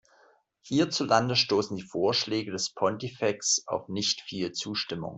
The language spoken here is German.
Hierzulande stoßen die Vorschläge des Pontifex auf nicht viel Zustimmung.